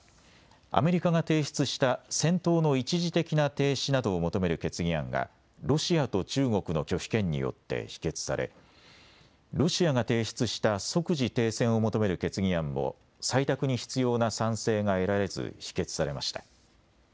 アメリカが提出した戦闘の一時的な停止などを求める決議案がロシアと中国の拒否権によって否決されロシアが提出した即時停戦を求める決議案も採択に必要な賛成が得られず否決されました。